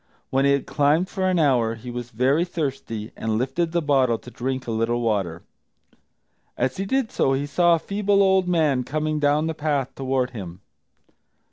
When he had climbed for an hour he was very thirsty, and lifted the bottle to drink a little water. As he did so he saw a feeble old man coming down the path toward him.